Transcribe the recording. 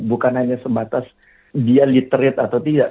bukan hanya sebatas dia literate atau tidak